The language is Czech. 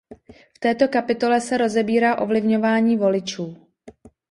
V této kapitole se rozebírá ovlivňování voličů.